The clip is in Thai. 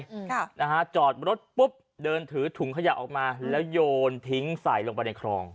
อืมค่ะนะฮะจอดรถปุ๊บเดินถือถุงขยะออกมาแล้วโยนทิ้งใส่ลงไปในคลอง